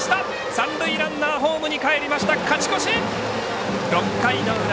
三塁ランナーホームにかえりました。